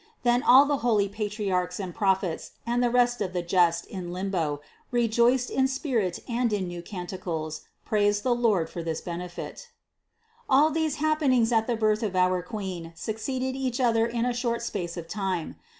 Then all the holy Patriarchs and Prophets and the rest of the just in limbo rejoiced in spirit and in new canticles praised the Lord for this benefit. 331. All these happenings at the birth of our Queen succeeded each other in a short space of time.